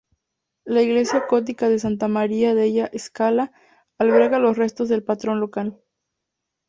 La iglesia gótica de "Santa Maria della Scala", alberga los restos del patrón local.